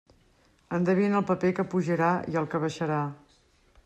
Endevina el paper que pujarà i el que baixarà.